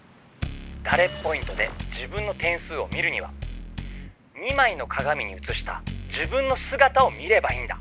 ダレッポイントで自分の点数を見るには２まいのかがみにうつした自分のすがたを見ればいいんだ。